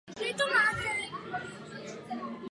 Vítězným.